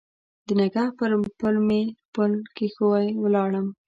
د نګهت پر پل مې پل کښېښوی ولاړم